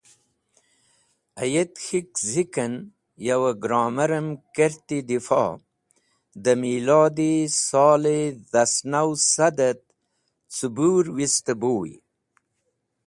Ayet K̃hik zik en yow grommarem kerti difo dẽ milodi sol dhasnaw sad et cẽbũrwist-e buy.